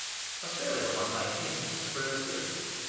Australia won by an innings to square the series.